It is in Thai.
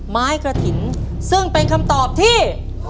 ไม้กระถิ่นซึ่งเป็นคำตอบที่